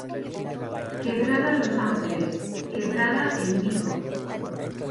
Quebrada Los Ángeles: Quebrada El Mico.